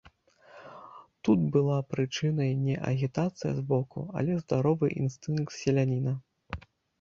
Тут была прычынай не агітацыя збоку, але здаровы інстынкт селяніна.